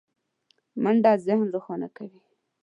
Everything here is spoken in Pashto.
منډه ذهن روښانه کوي